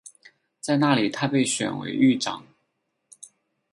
在那里他被选为狱长。